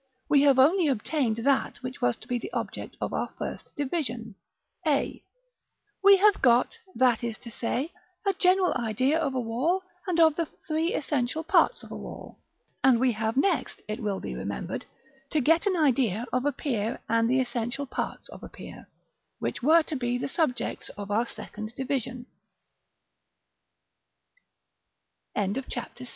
We have only obtained that which was to be the object of our first division (A); we have got, that is to say, a general idea of a wall and of the three essential parts of a wall; and we have next, it will be remembered, to get an idea of a pier and the essential parts of a pier, which